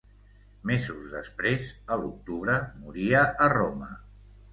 Mesos després, a l'octubre, moria a Roma.